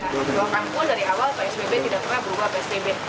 jual kampung dari awal psbb tidak pernah berubah psbb